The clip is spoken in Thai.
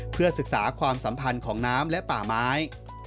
เพื่อศึกษาความสัมพันธ์ของน้ำและป่าไม้